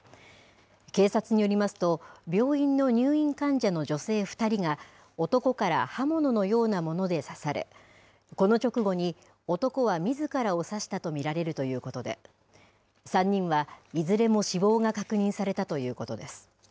警察によりますと、病院の入院患者の女性２人が男から刃物のようなもので刺され、この直後に男はみずからを刺したと見られるということで、３人は、いずれも死亡が確認されたということです。